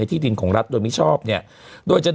มันติดคุกออกไปออกมาได้สองเดือน